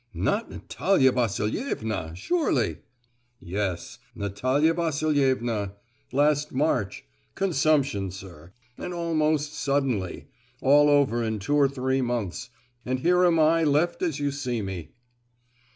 "Not Natalia Vasilievna, surely?" "Yes, Natalia Vasilievna! Last March! Consumption, sir, and almost suddenly—all over in two or three months—and here am I left as you see me!"